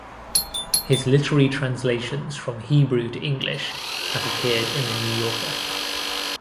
His literary translations from Hebrew to English have appeared in the New Yorker.